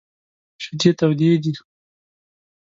شیدې تودې دي !